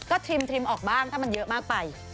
ก็ทิมออกบ้างถ้ามันเยอะมากไป